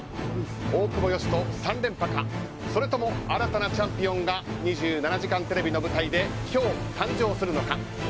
大久保嘉人３連覇かそれとも新たなチャンピオンが「２７時間テレビ」の舞台で今日、誕生するのか。